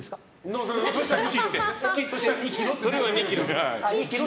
それは２ｋｇです。